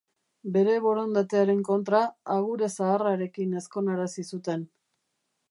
Bere borondatearen kontra agure zaharrarekin ezkonarazi zuten.